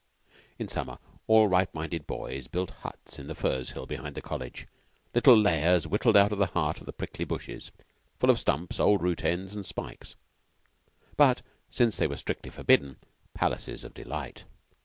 In summer all right minded boys built huts in the furze hill behind the College little lairs whittled out of the heart of the prickly bushes, full of stumps, odd root ends, and spikes, but, since they were strictly forbidden, palaces of delight.